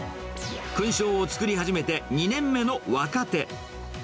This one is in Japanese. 勲章をつくり始めて２年目の若手。